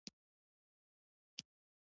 _تر لسو.